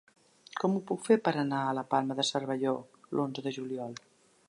Com ho puc fer per anar a la Palma de Cervelló l'onze de juliol?